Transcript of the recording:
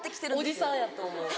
おじさんやと思う。